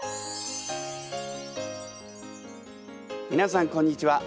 みなさんこんにちは。